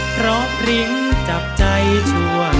เพราะพริ้งจับใจชั่วโน้น